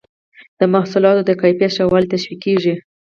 د محصولاتو د کیفیت ښه والی تشویقیږي.